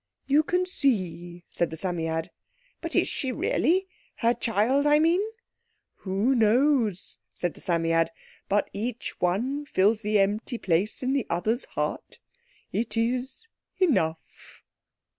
"You can see," said the Psammead. "But is she really? Her child, I mean?" "Who knows?" said the Psammead; "but each one fills the empty place in the other's heart. It is enough."